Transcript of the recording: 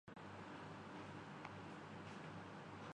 تو موروثیت کے اصول پر منظم ہو رہی ہیں۔